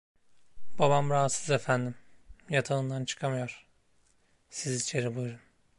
Babam rahatsız efendim, yatağından çıkamıyor, siz içeri buyurun.